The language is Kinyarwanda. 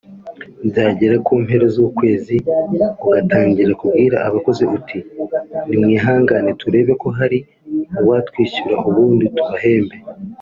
byagera ku mpera z’ukwezi ugatangira kubwira abakozi uti nimwihangane turebe ko hari uwatwishyura ubundi tubahembe